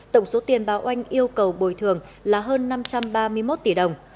tổng số tiền báo oanh yêu cầu bồi thường là hơn năm trăm ba mươi một tỷ đồng